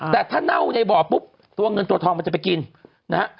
แต่ถ้าเน่าในบ่อปุ๊บตัวเงินตัวทองมันจะไปกินนะฮะ